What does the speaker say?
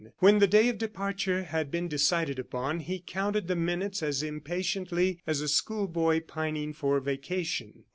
When the day of departure had been decided upon, he counted the minutes as impatiently as a school boy pining for vacation.